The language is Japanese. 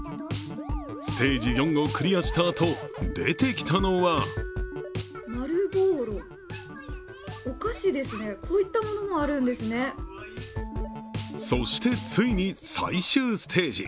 ステージ４をクリアした後出てきたのはそして、ついに最終ステージ。